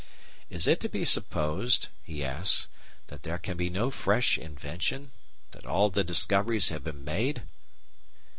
"Is it to be supposed," he asks, "that there can be no fresh invention, that all the discoveries have been made?"